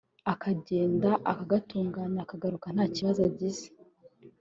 akagenda akagatunganya akagaruka nta kibazo agize